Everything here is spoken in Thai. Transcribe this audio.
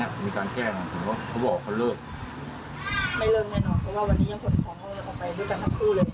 วันนี้หรอใช่ถ้ามุ่งขนออกไปมันมาเลยค่ะ